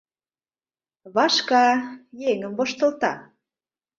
Вашка — еҥым воштылта.